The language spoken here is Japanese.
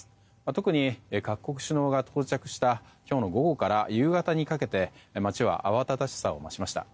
特に、各国首脳が到着した今日の午後から夕方にかけて街は慌ただしさを増しました。